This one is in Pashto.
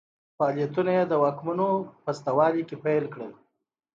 فعالیتونه یې د واکمنو په شتون کې پیل کړل.